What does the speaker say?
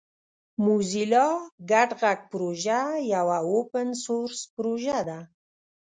موزیلا ګډ غږ پروژه یوه اوپن سورس پروژه ده.